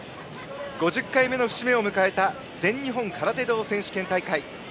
５０回目の節目を迎えた全日本空手道選手権大会。